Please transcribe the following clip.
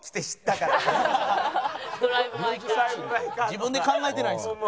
自分で考えてないんですか？